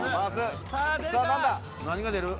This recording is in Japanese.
何が出る？